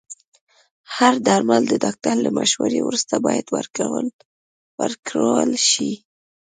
هر درمل د ډاکټر له مشورې وروسته باید وکارول شي.